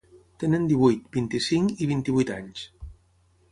Tenen divuit, vint-i-cinc i vint-i-vuit anys.